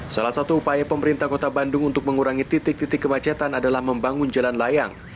salah satu upaya pemerintah kota bandung untuk mengurangi titik titik kemacetan adalah membangun jalan layang